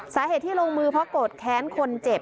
สาเหตุที่ลงมือเพราะโกรธแค้นคนเจ็บ